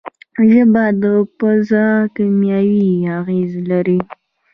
ژبه او پزه کیمیاوي آخذې لري.